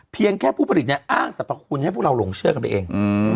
เพียงแค่ผู้ผลิตเนี่ยอ้างสรรพคุณให้พวกเราหลงเชื่อกันไปเอง